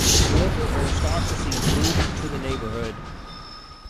The local aristocracy moved to the neighborhood.